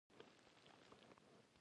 د افغانستان ملي راډیو پخوانۍ ده